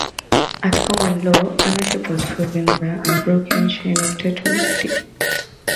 At common law, ownership was proven via an unbroken chain of title deeds.